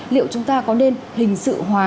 liệu chúng ta có nên hình sự hóa